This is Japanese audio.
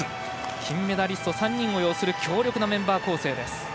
金メダリスト３人を擁する強力なメンバー構成です。